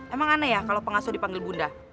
emang aneh ya kalau pengasuh dipanggil bunda